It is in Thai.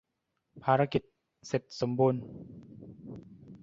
ภารกิจเสร็จสมบูรณ์ !